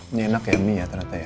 ini enak ya mie ya ternyata ya